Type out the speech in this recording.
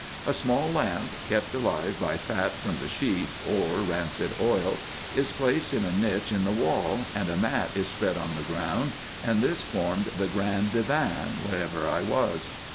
A small lamp, kept alive by fat from the sheep, or rancid oil, is placed in a niche in the wall, and a mat is spread on the ground; and this formed the grand divan, wherever I was.